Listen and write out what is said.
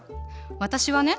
私はね